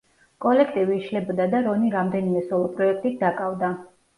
კოლექტივი იშლებოდა და რონი რამდენიმე სოლო პროექტით დაკავდა.